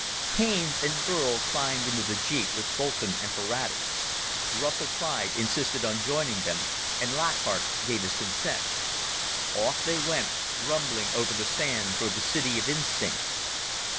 Haines and Burl climbed into the jeep with Boulton and Ferrati. Russell Clyde insisted on joining them, and Lockhart gave his consent. Off they went, rumbling over the sand toward the city of instinct.